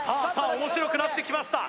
面白くなってきました